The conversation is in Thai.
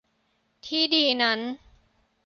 ที่ดีนั้น